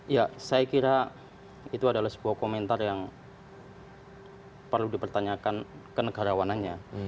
ya saya kira itu adalah sebuah komentar yang perlu dipertanyakan kenegarawanannya